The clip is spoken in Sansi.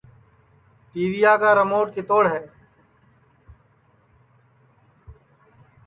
ٹی ویا کا رموٹ کیتوڑ ہے